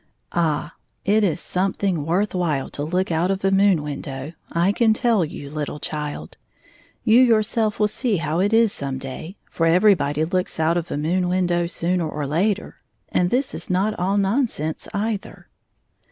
Ah! it is some thing worth while to look out of a moon window, I can tell you, little child. You yourself will see how it is some day, for everybody looks out of a moon window sooner or later, and this is not all nonsense either.